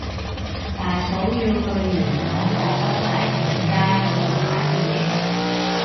大嫂要去元朗河北第五街嗰度買啲嘢